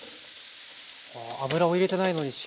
あ油を入れてないのにしっかり。